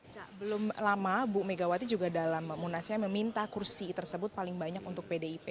cak belum lama bu megawati juga dalam munasnya meminta kursi tersebut paling banyak untuk pdip